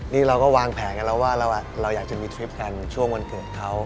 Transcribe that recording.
นี่เราก็วางแผนกันแล้วว่าเราอยากจะมีทริปกันช่วงวันเกิดเขา